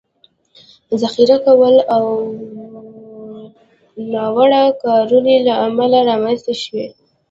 ذخیره کولو او ناوړه کارونې له امله رامنځ ته شوي